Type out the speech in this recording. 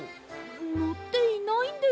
のっていないんです。